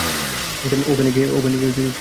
ওখানে গিয়ে কি দেখব?